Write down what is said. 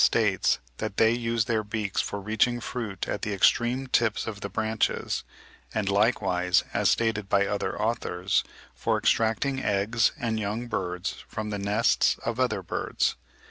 341) states that they use their beaks for reaching fruit at the extreme tips of the branches; and likewise, as stated by other authors, for extracting eggs and young birds from the nests of other birds.